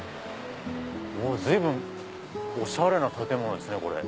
随分おしゃれな建物ですね。